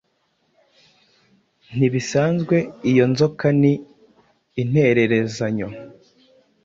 Ntibisanzwe iyo nzoka ni intererezanyo